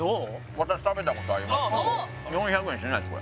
私食べたことありますけど４００円しないです